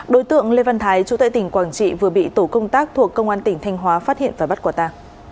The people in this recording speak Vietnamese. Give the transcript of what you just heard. đối tượng lê văn thái chú tại tỉnh quảng trị vừa bị tổ công tác thuộc công an tỉnh thanh hóa phát hiện và bắt quả ta